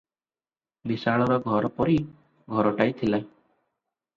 ବିଶାଳର ଘରପରି ଘରଟାଏ ଥିଲା ।